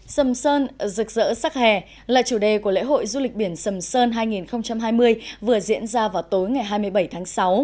sầm sơn rực rỡ sắc hè là chủ đề của lễ hội du lịch biển sầm sơn hai nghìn hai mươi vừa diễn ra vào tối ngày hai mươi bảy tháng sáu